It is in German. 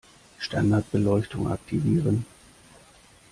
Standardbeleuchtung aktivieren